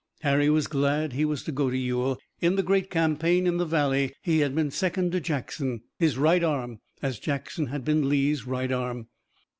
Harry was glad he was to go to Ewell. In the great campaign in the valley he had been second to Jackson, his right arm, as Jackson had been Lee's right arm.